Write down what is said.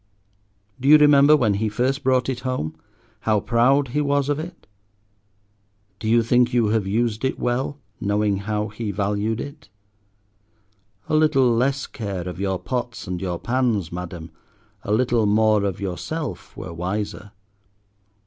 Do you remember when he first brought it home, how proud he was of it? Do you think you have used it well, knowing how he valued it? A little less care of your pots and your pans, Madam, a little more of yourself were wiser.